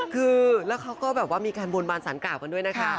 คือแล้วเขาก็แบบว่ามีการบนบานสารกล่าวกันด้วยนะคะ